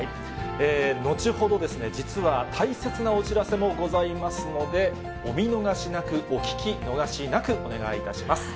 後ほど、実は大切なお知らせもございますので、お見逃しなく、お聞き逃しなく、お願いいたします。